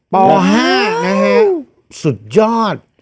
ป๕นะฮะสุดยอด